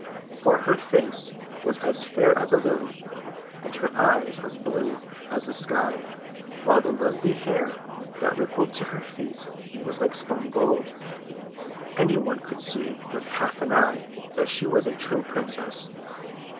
For her face was as fair as a lily, and her eyes as blue as the sky, while the lovely hair that rippled to her feet was like spun gold. Any one could see with half an eye that she was a true princess.